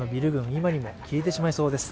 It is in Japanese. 今にも消えてしまいそうです。